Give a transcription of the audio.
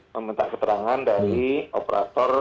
meminta keterangan dari operator